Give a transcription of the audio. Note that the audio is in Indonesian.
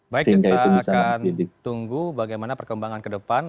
baik kita akan tunggu bagaimana perkembangan ke depan